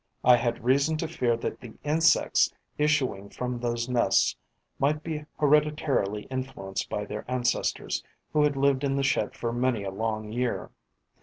I had reason to fear that the insects issuing from those nests might be hereditarily influenced by their ancestors, who had lived in the shed for many a long year.